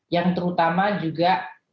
yang terutama juga